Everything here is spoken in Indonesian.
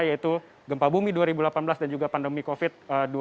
yaitu gempa bumi dua ribu delapan belas dan juga pandemi covid sembilan belas dua ribu dua puluh